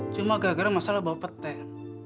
cuma gara gara masalah bawa peten